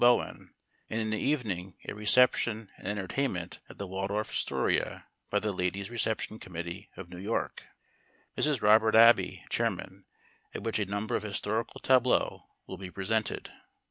Bowen, and in the evening a reception and entertainment at the Waldorf Astoria by the Ladies' Reception Committee of New York, Mrs. Robert Abbe, chairman, at which a number of historical tableaux will be presented.